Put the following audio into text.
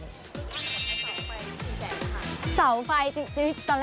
ต้องผ่นให้ต่อไปนี้ดีใจค่ะ